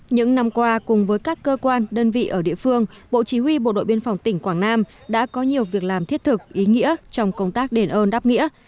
những năm qua cùng với các cơ quan đơn vị ở địa phương bộ chí huy bộ đội biên phòng tỉnh quảng nam đã có nhiều việc làm thiết thực ý nghĩa trong công tác đền ơn đáp nghĩa